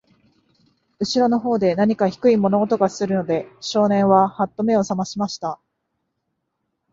後ろの方で、なにか低い物音がするので、少年は、はっと目を覚ましました。